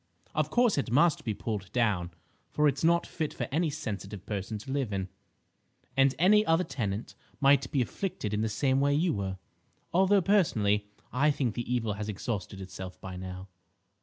Of course it must be pulled down, for it's not fit for any sensitive person to live in, and any other tenant might be afflicted in the same way you were. Although, personally, I think the evil has exhausted itself by now."